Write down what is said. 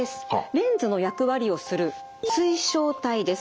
レンズの役割をする水晶体です。